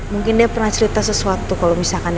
mungkin dia pernah cerita sesuatu kalau misalkan